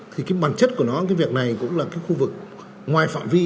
thì cái bản chất của nó cái việc này cũng là cái khu vực ngoài phạm vi